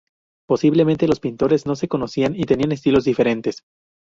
Posiblemente, los pintores no se conocían y tenían estilos diferentes.